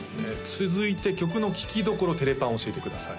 続いて曲の聴きどころてれぱん教えてください